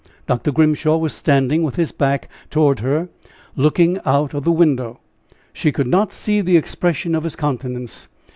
Dr. Grimshaw was standing with his back toward her, looking out of the window. She could not see the expression of his countenance.